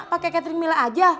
pakai catering mila aja